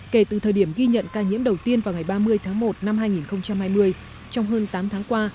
kể từ thời điểm ghi nhận ca nhiễm đầu tiên vào ngày ba mươi tháng một năm hai nghìn hai mươi trong hơn tám tháng qua